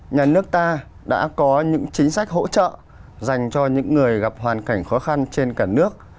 nhà nước ta đã có những chính sách hỗ trợ dành cho những người gặp hoàn cảnh khó khăn trên cả nước